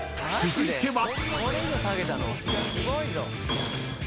［続いては］